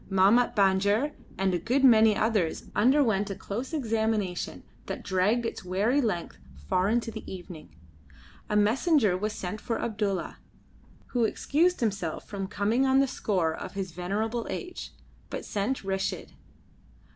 Mahmat Banjer and a good many others underwent a close examination that dragged its weary length far into the evening. A messenger was sent for Abdulla, who excused himself from coming on the score of his venerable age, but sent Reshid.